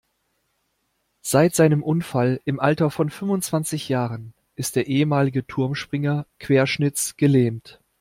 Seit seinem Unfall im Alter von fünfundzwanzig Jahren ist der ehemalige Turmspringer querschnittsgelähmt.